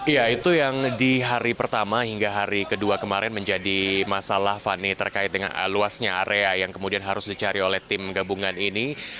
ya itu yang di hari pertama hingga hari kedua kemarin menjadi masalah fani terkait dengan luasnya area yang kemudian harus dicari oleh tim gabungan ini